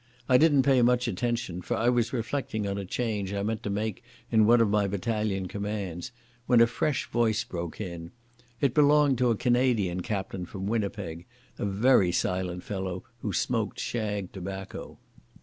I didn't pay much attention, for I was reflecting on a change I meant to make in one of my battalion commands, when a fresh voice broke in. It belonged to a Canadian captain from Winnipeg, a very silent fellow who smoked shag tobacco.